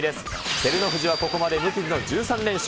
照ノ富士はここまで無傷の１３連勝。